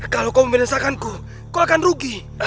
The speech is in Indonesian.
kalau kau menyelesaikanku kau akan rugi